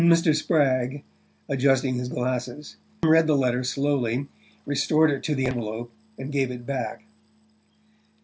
Mr. Spragg, adjusting his glasses, read the letter slowly, restored it to the envelope and gave it back.